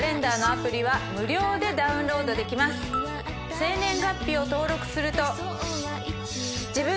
生年月日を登録すると。